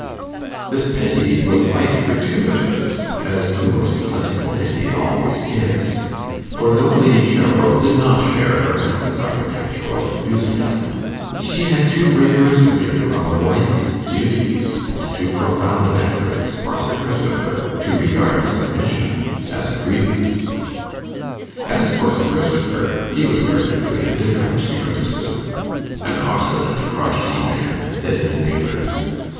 This pity was quite gratuitous, as the most plentiful pity always is; for though Lady Cheverel did not share her husband's architectural enthusiasm, she had too rigorous a view of a wife's duties, and too profound a deference for Sir Christopher, to regard submission as a grievance. As for Sir Christopher, he was perfectly indifferent to criticism. 'An obstinate, crotchety man,' said his neighbours.